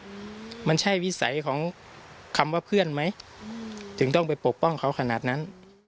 อืมมันใช่วิสัยของคำว่าเพื่อนไหมถึงต้องไปปกป้องเขาขนาดนั้น